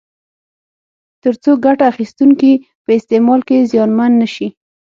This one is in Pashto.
تر څو ګټه اخیستونکي په استعمال کې زیانمن نه شي.